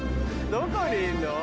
どこにいんの？